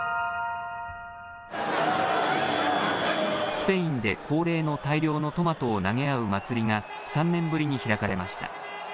スペインで恒例の大量のトマトを投げ合う祭りが３年ぶりに開かれました。